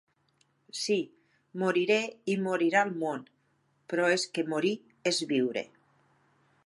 Sí, moriré i morirà el món, però és que morir és viure.